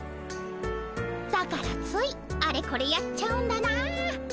だからついあれこれやっちゃうんだな。